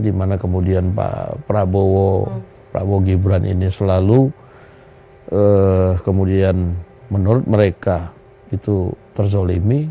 dimana kemudian pak prabowo gibran ini selalu kemudian menurut mereka itu terzolimi